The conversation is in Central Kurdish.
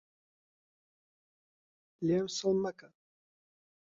لێم سڵ مەکە